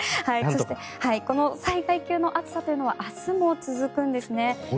この災害級の暑さというのは明日も続くんですね。